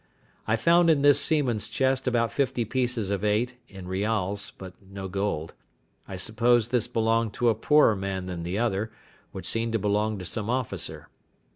I found in this seaman's chest about fifty pieces of eight, in rials, but no gold: I supposed this belonged to a poorer man than the other, which seemed to belong to some officer.